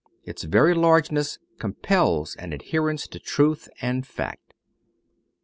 Its very largeness compels an adherence to truth and fact.